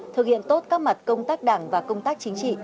thực hiện tốt các mặt công tác đảng và công tác chính trị